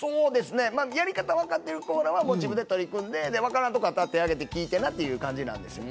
やり方を分かっている子は自分で取り組んで分からんところあったら手を挙げて聞いてなという感じなんです。